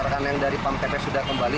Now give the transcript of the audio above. dan yang dari pampetnya sudah kembali